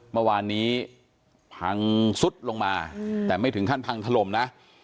เมื่อวานนี้พังซุดลงมาแต่ไม่ถึงขั้นพังถล่มนะ